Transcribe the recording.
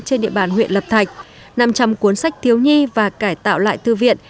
trên địa bàn huyện lập thạch năm trăm linh cuốn sách thiếu nhi và cải tạo lại thư viện